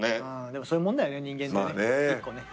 でもそういうもんだよね人間ってね。